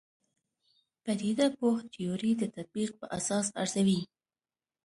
پدیده پوه تیورۍ د تطبیق په اساس ارزوي.